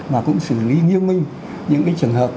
và cũng xử lý nghiêm minh những trường hợp